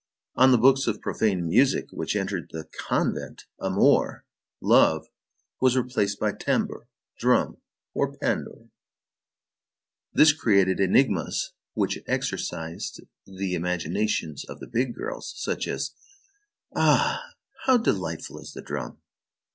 On the books of profane music which entered the convent, amour (love) was replaced by tambour or pandour. This created enigmas which exercised the imaginations of the big girls, such as: _Ah, how delightful is the drum!